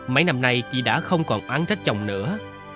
mấy năm nay chị đã không còn án trách chồng nữa